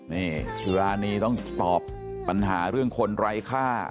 นี่สุรานีต้องตอบปัญหาเรื่องคนไร้ค่า